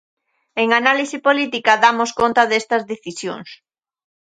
En análise política damos conta destas decisións.